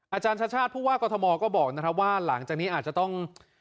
อาจารย์ชาติชาติผู้ว่ากรทมก็บอกนะครับว่าหลังจากนี้อาจจะต้อง